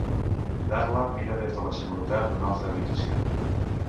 Darla mira des de la seguretat d'una altra habitació.